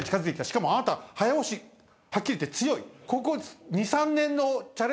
しかもあなた早押しはっきり言って強い。